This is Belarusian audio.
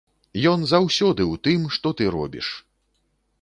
Ён заўсёды ў тым, што ты робіш!